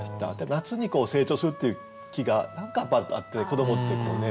夏に成長するっていう気が何かあって子どもってこうね。